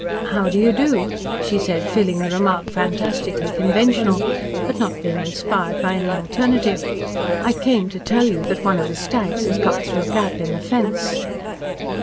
"How do you do?" she said, feeling the remark fantastically conventional, but not being inspired by any alternative. "I came to tell you that one of the stags has got through a gap in the fence."